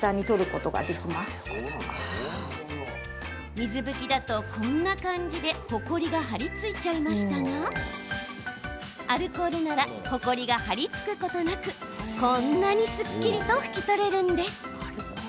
水拭きだとこんな感じでほこりが貼り付いちゃいましたがアルコールならほこりが貼り付くことなくこんなにすっきりと拭き取れるんです。